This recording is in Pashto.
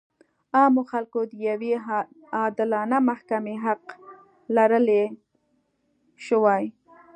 عامو خلکو د یوې عادلانه محکمې حق لرلی شوای.